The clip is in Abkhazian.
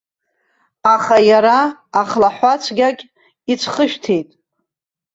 Аха иара ахлаҳәацәгьагь ицәхышәҭит.